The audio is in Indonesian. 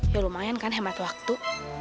ya lumayan kan hemat waktu